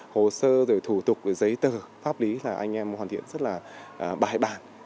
hồ sơ thủ tục giấy tờ pháp lý là anh em hoàn thiện rất bài bản